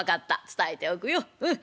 伝えておくようん。